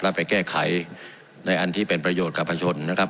แล้วไปแก้ไขในอันที่เป็นประโยชน์กับประชนนะครับ